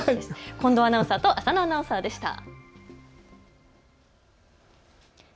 近藤アナウンサーと浅野アナウンサーでした。